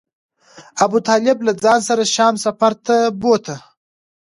ابو طالب له ځان سره شام سفر ته بوته.